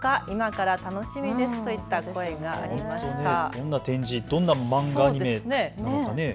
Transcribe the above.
どんな展示、どんな漫画、アニメなのか。